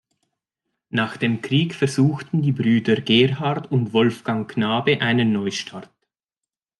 Nach dem Krieg versuchten die Brüder Gerhard und Wolfgang Knabe einen Neustart.